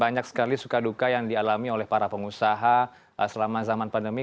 banyak sekali suka duka yang dialami oleh para pengusaha selama zaman pandemi